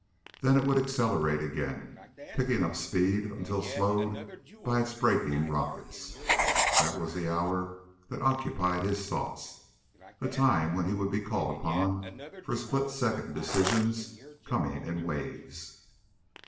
Then it would accelerate again, picking up speed until slowed by its braking rockets. That was the hour that occupied his thoughts a time when he would be called upon for split second decisions coming in waves.